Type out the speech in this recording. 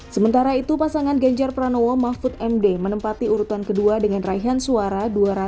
sementara itu pasangan genjar pranowo mahfud md menempati urutan kedua dengan raihan suara dua ratus delapan puluh tiga tujuh ratus sembilan puluh enam